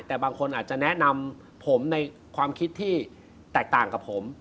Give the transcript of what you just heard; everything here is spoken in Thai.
แต่บางคนอาจจะแนะนำผมในความคิดที่แตกต่างกับผม